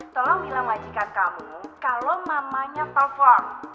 tolong bilang wajikan kamu kalau mamanya perform